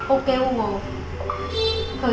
ok uống rồi